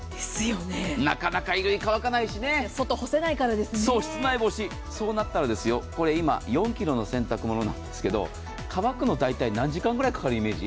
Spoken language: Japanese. なかなか衣類、乾かないしね、室内干し、そうなったらこれ今、４ｋｇの洗濯物なんですけど、乾くの、大体何時間ぐらいかかるイメージ？